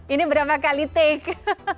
ini berapa kali take